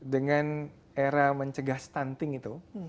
dengan era mencegah stunting itu